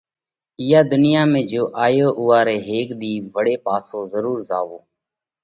اِيئا ڌُنيا ۾ جيو آيو اُوئا رئہ هيڪ ۮِي وۯي پاسو ضرور زاوَو۔